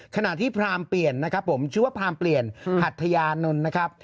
ขณะที่พรามเปลี่ยนนะครับผมชื่อว่าพรามเปลี่ยนหัทยานนท์นะครับ